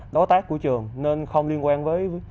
đối tác của trường nên không liên quan với